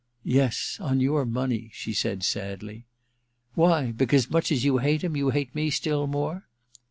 * Yes, on your money,' she said sadly. * Why ? Because, much as you hate him, you hate me still more